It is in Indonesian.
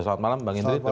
selamat malam bang hindri